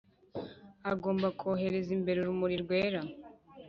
agomba kwohereza imbere urumuri rwera